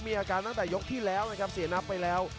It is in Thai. มีอาการตั้งแต่ยกที่แล้วนะครับเสียนับไปแล้ว